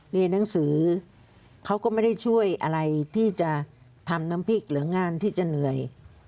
เรียนหนังสือเขาก็ไม่ได้ช่วยอะไรที่จะทำน้ำพริกหรืองานที่จะเหนื่อย